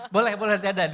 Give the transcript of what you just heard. boleh boleh nanti ada